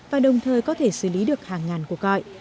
và đồng thời có thể xử lý được hàng ngàn cuộc gọi